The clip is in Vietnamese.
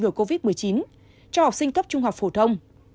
ngừa covid một mươi chín cho học sinh cấp trung học phổ thông